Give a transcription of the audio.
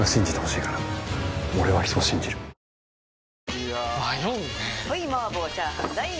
いや迷うねはい！